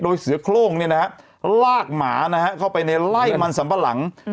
โดยเสือโครงลากหมานะฮะเข้าไปในไล่มันสัมปะหลัง